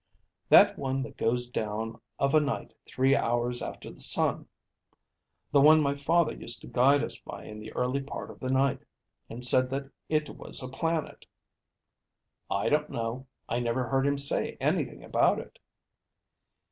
"That one that goes down of a night three hours after the sun. The one my father used to guide us by in the early part of the night, and said that it was a planet." "I don't know. I never heard him say anything about it."